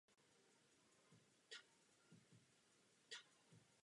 Po základní a střední škole vystudovala biologii na Přírodovědecké fakultě Univerzity Karlovy.